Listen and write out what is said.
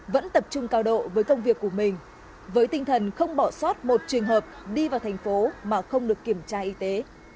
vẫn tập trung cao độ với công việc của mình với tinh thần không bỏ sót một trường hợp đi vào thành phố mà không được kiểm tra y tế